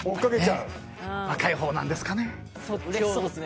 若いほうなんですかね。